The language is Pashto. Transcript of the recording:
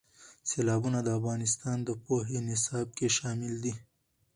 سیلابونه د افغانستان د پوهنې نصاب کې شامل دي.